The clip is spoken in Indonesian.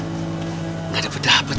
tidak ada yang mendapat